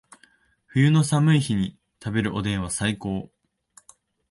冬の寒い日に食べるおでんは最高